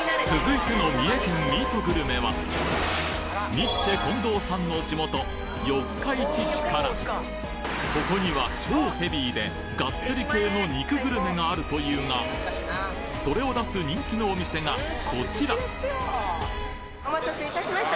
ニッチェ近藤さんの地元四日市市からここには超ヘビーでガッツリ系の肉グルメがあるというがそれを出す人気のお店がこちらお待たせいたしました。